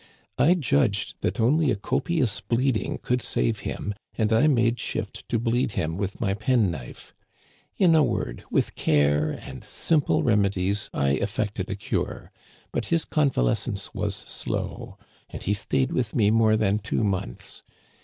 I judged that only a copious bleeding could save him, and I made shift to bleed him with my penknife. In a word, with care and simple remedies, I effected a cure ; but his conva lescence was slow, and he stayed with me more than two months.